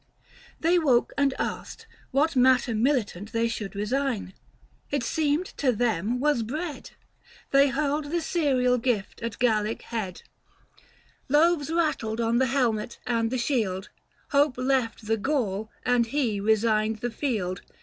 They woke and asked, what matter militant They should resign : it seemed to them 'twas bread ; They hurled the cereal gift at Gallic head ; 460 190 THE FASTI. Book VI. Loaves rattled on the helmet and the shield ; Hope left the Gaul and he resigned the field.